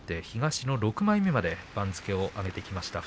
東の６枚目まで番付を上げています